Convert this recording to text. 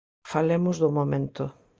Falemos do momento.